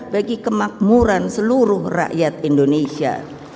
bagi kemakmuran seluruh rakyat indonesia